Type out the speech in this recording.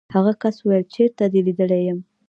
هغه کس وویل چېرته دې لیدلی یم.